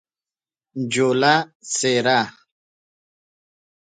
جوله : څیره